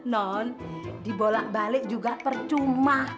non dibolak balik juga percuma